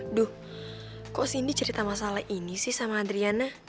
aduh kok cindy cerita masalah ini sih sama adriana